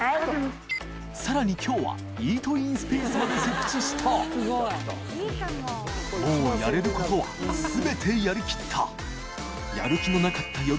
磴気蕕きょうはイートインスペースまで設置した磴發やれることは全てやりきった磴